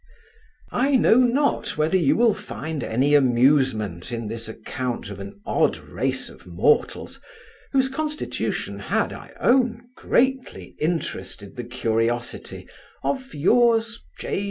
I know not whether you will find any amusement in this account of an odd race of mortals, whose constitution had, I own, greatly interested the curiosity of Yours, J.